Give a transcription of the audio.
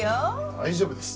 大丈夫です。